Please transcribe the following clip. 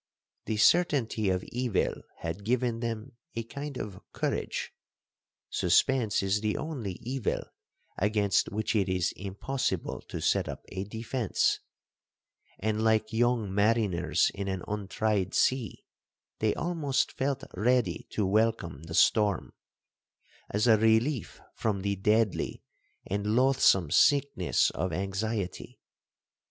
The certainty of evil had given them a kind of courage. Suspence is the only evil against which it is impossible to set up a defence,—and, like young mariners in an untried sea, they almost felt ready to welcome the storm, as a relief from the deadly and loathsome sickness of anxiety.